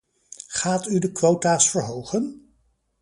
Gaat u de quota's verhogen?